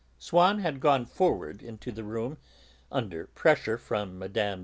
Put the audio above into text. Swann had gone forward into the room, under pressure from Mme.